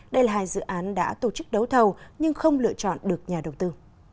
đây là hai dự án đã tổ chức đấu thầu nhưng không lựa chọn được nhà đầu tư